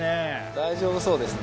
大丈夫そうですね。